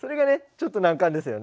ちょっと難関ですよね。